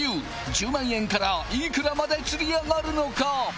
１０万円からいくらまでつり上がるのか？